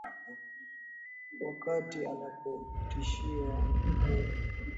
Wakati anapotishiwa Blob hujifcha na kujikausha Hali yake huwa kama kitu kisichohai walisema wataalamu